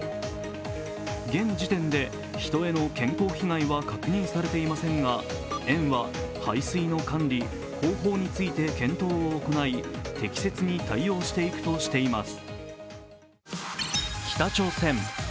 現時点で人への健康被害は確認されていませんが園は、排水の管理、方法について検討を行い、適切に対応していくとしています。